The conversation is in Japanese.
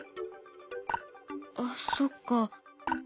あっそっか。